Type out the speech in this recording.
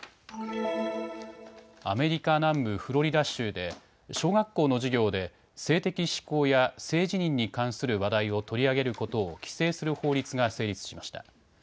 アメリカ南部フロリダ州で小学校の授業で性的指向や性自認に関する話題を取り上げることを規制する法律が成立しました。